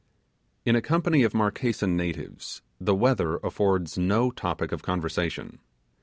In a company of Marquesan natives the weather affords no topic of conversation.